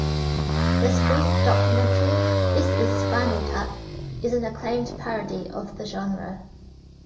The spoof documentary "This Is Spinal Tap" is an acclaimed parody of the genre.